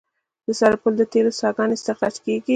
د سرپل د تیلو څاګانې استخراج کیږي